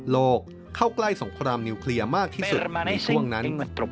เข้าใกล้สงครามนิวเคลียร์มากที่สุดในช่วงนั้น